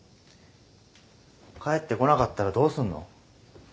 帰ってこなかったらどうすんの？